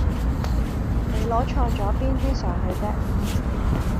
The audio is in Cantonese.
你攞錯咗邊支上去啫